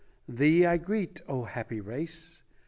Thee I greet, O happy race!